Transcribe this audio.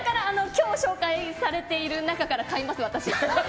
今日、紹介されている中から買います、私。